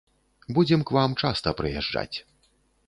Будзем к вам часта прыязджаць.